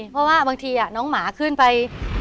เพราะว่าบางทีน้องหมาขึ้นไป